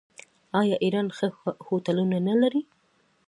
آیا ایران ښه هوټلونه نلري؟